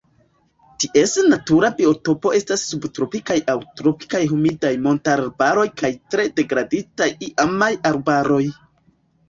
Ties natura biotopo estas subtropikaj aŭ tropikaj humidaj montarbaroj kaj tre degraditaj iamaj arbaroj.